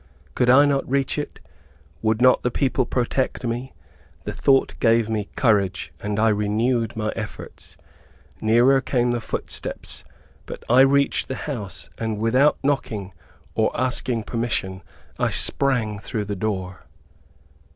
Could I not reach it? Would not the people protect me? The thought gave me courage, and I renewed my efforts. Nearer came the footsteps, but I reached the house, and without knocking, or asking permission, I sprang through the door.